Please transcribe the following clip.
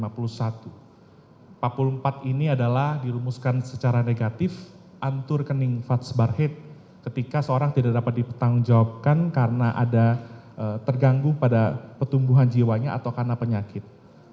pasal empat puluh empat ini adalah dirumuskan secara negatif antur kening fadz barhit ketika seorang tidak dapat ditanggung jawabkan karena ada terganggu pada pertumbuhan jiwanya atau karena penyakit